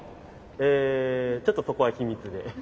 えちょっとそこは秘密で。